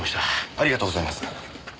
ありがとうございます。